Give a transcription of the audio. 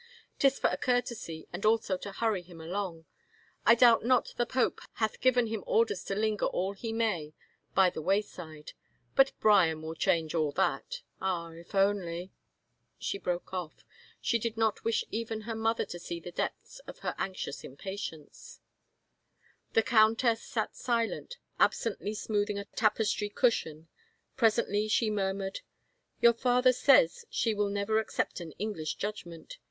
'Tis for a courtesy and also to hurry him along. I doubt not the pope hath given him orders to linger all he may by the wayside, but Bryan will change all that. ... Ah, if only —" She broke off. She did not wish even her mother to see into the depths of her anxious impatience. 171 THE FAVOR OF KINGS The countess sat silent, absently smoothing a tapestry cushion. Presently she murmured, " Your father says she will never accept, an English judgment.